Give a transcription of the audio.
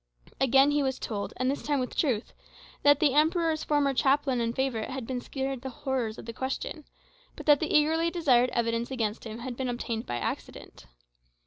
Again he was told, and this time with truth, that the Emperor's former chaplain and favourite had been spared the horrors of the Question, but that the eagerly desired evidence against him had been obtained by accident.